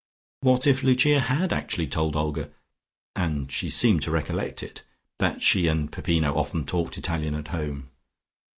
What if Lucia had actually told Olga (and she seemed to recollect it) that she and Peppino often talked Italian at home?